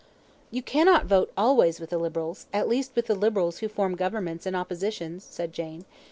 "You cannot vote always with the Liberals at least with the Liberals who form governments and oppositions," said Jane.